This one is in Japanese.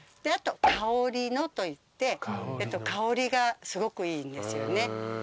あとかおり野といって香りがすごくいいんですよね。